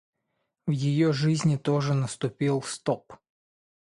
в ее жизни тоже наступил стоп.